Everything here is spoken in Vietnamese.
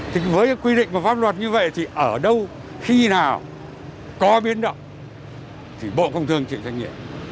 thì với quy định của pháp luật như vậy thì ở đâu khi nào có biến động thì bộ công thương chịu trách nhiệm